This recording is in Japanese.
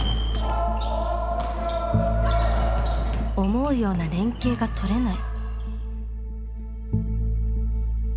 思うような連係が取れない。